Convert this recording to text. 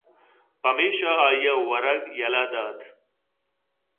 پمیشا آئی ءَ وَرَگ یلہ دات